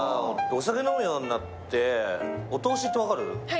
お酒を飲むようになって、お通しって分かる？